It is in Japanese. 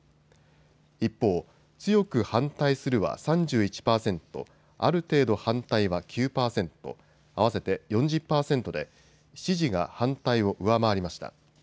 一方、強く反対するは３１％、ある程度反対は９％、合わせて４０％で支持が反対を上回りました。